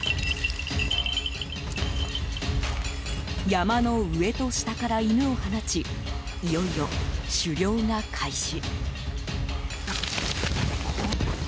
山の上と下から犬を放ちいよいよ狩猟が開始。